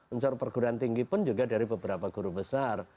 unsur perguruan tinggi pun juga dari beberapa guru besar